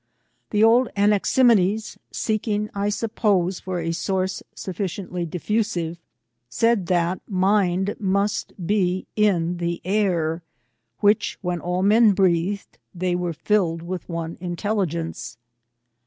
The old Anaximenes, seeking, I suppose, for a source sufficiently difiusive, said, that Mind must be in the air, which, when all men breathed, they were filled with one intelhgence.